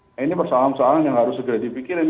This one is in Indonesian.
nah ini persoalan persoalan yang harus segera dipikirin